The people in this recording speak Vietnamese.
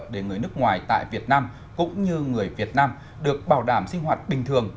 để người nước ngoài tại việt nam cũng như người việt nam được bảo đảm sinh hoạt bình thường